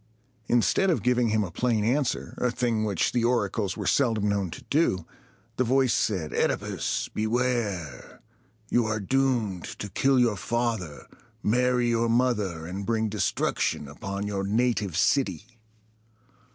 Instead of giving him a plain answer, a thing which the oracles were seldom known to do, the voice said, "OEdipus, beware! You are doomed to kill your father, marry your mother, and bring destruction upon your native city!"